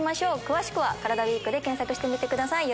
詳しくは「カラダＷＥＥＫ」で検索してみてください。